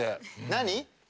何？